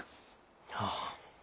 ああ。